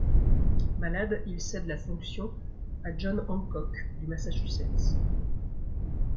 Malade, il cède la fonction à John Hancock du Massachusetts.